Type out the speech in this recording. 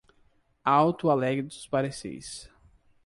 Alto Alegre dos Parecis